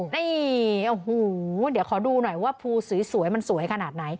นี่โอ้โหเดี๋ยวขอดูหน่อยว่าภูสวยมันสวยขนาดไหน